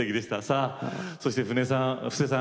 さあそして布施さん